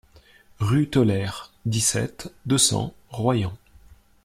Rue Teulère, dix-sept, deux cents Royan